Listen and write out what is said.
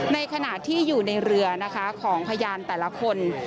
ในขณะที่อยู่ในเรือนะคะของพยานแต่ละคน